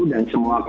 dan semua konsepnya